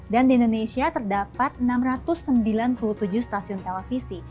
dan di indonesia terdapat enam ratus sembilan puluh tujuh stasiun televisi